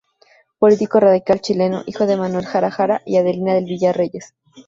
Político radical chileno, hijo de Manuel Jara Jara y Adelina del Villar Reyes.